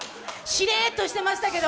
シレッとしてましたけど。